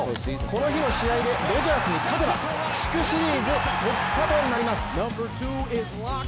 この日の試合でドジャースに勝てば地区シリーズ突破となります。